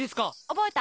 覚えた？